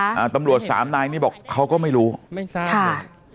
อ่าตำรวจสามนายนี่บอกเขาก็ไม่รู้ไม่ทราบค่ะ